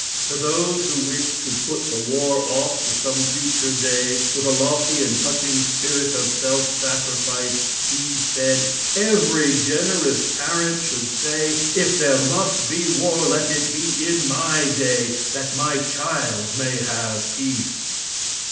To those who wished to put the war off to some future day, with a lofty and touching spirit of self sacrifice, he said: "Every generous parent should say: 'If there must be war, let it be in my day, that my child may have peace'."